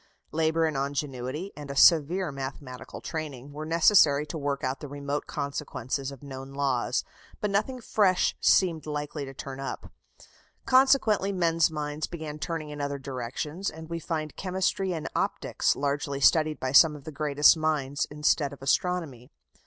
Labour and ingenuity, and a severe mathematical training, were necessary to work out the remote consequences of known laws, but nothing fresh seemed likely to turn up. Consequently men's minds began turning in other directions, and we find chemistry and optics largely studied by some of the greatest minds, instead of astronomy.